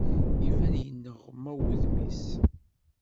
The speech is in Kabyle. Iban yenneɣna wudem-is.